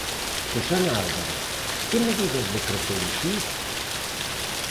Susana Álvarez, que medidas decretou o xuíz?